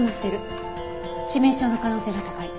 致命傷の可能性が高い。